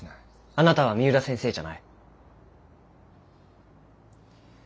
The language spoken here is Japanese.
あなたは三浦先生じゃない。